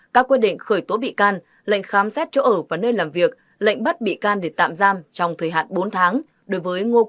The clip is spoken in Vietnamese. các quy định khởi tố bị can lệnh khám xét chỗ ở và nơi làm việc lệnh bắt bị can để tạm giam trong thời hạn bốn tháng